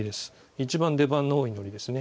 一番出番の多い糊ですね。